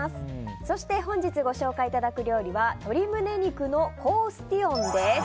そして、本日ご紹介いただくお料理は鶏胸肉のコースティオンです。